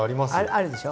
あるでしょ。